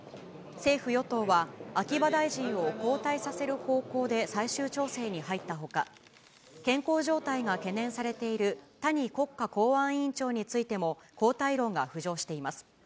政府・与党は、秋葉大臣を交代させる方向で最終調整に入ったほか、健康状態が懸念されている谷国家公安委員長についても交代論が浮上しています。